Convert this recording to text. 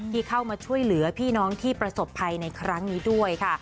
ที่เข้ามาช่วยเหลือพี่น้องที่ประสบภัยในครั้งนี้ด้วยค่ะ